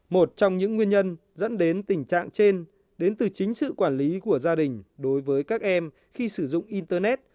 một trong những nguyên nhân dẫn đến tình trạng trên đến từ chính sự quản lý của gia đình đối với các em khi sử dụng internet